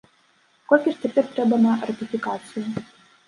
Колькі ж цяпер трэба на ратыфікацыю?